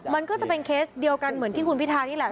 มันก็จะเป็นเคสเดียวกันเหมือนที่คุณพิทานี่แหละ